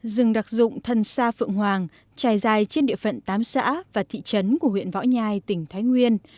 rừng đặc dụng thân sa phượng hoàng trải dài trên địa phận tám xã và thị trấn của huyện võ nhai tỉnh thái nguyên